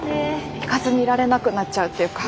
行かずにいられなくなっちゃうっていうか。